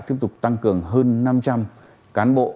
tiếp tục tăng cường hơn năm trăm linh cán bộ